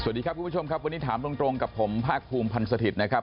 สวัสดีครับคุณผู้ชมครับวันนี้ถามตรงกับผมภาคภูมิพันธ์สถิตย์นะครับ